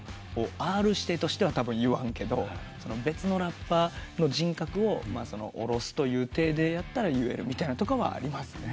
Ｒ−指定としてはたぶん言わんけど別のラッパーの人格をおろすという体でやったら言えるとかはありますね。